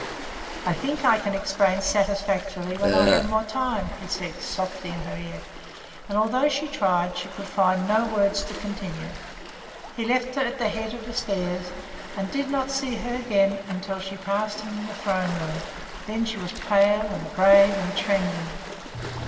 "I think I can explain satisfactorily when I have more time," he said, softly in her ear, and, although she tried, she could find no words to continue. He left her at the head of the stairs, and did not see her again until she passed him in the throne room. Then she was pale and brave and trembling.